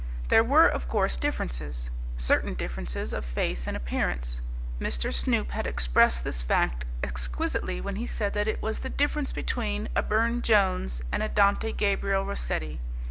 There were, of course, differences, certain differences of face and appearance. Mr. Snoop had expressed this fact exquisitely when he said that it was the difference between a Burne Jones and a Dante Gabriel Rossetti.